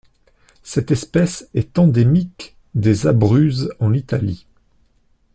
Cette espèce est endémique des Abruzzes en Italie.